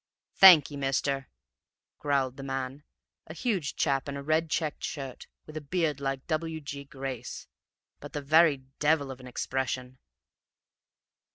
"'Thank ye, mister,' growled the man, a huge chap in a red checked shirt, with a beard like W. G. Grace, but the very devil of an expression.